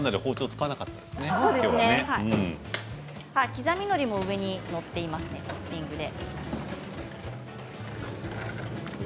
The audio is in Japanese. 刻みのりも上に載っていますねトッピングで。